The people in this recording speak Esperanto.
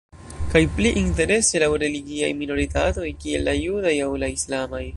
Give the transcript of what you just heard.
Kaj pli interese laŭ religiaj minoritatoj, kiel la judaj aŭ la islamaj.